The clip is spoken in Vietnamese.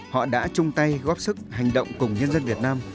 họ đã chung tay góp sức hành động cùng nhân dân việt nam